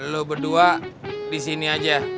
lo berdua disini aja